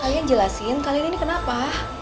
kalian jelasin kalian ini kenapa